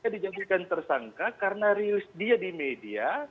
dijadikan tersangka karena rilis dia di media